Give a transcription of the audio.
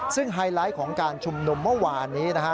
ซึ่งไฮไลท์ของการชุมนุมเมื่อวานนี้นะฮะ